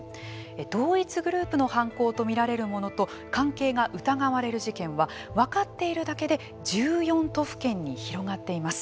同一グループの犯行とみられるものと関係が疑われる事件は分かっているだけで１４都府県に広がっています。